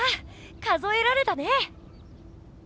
数えられたね！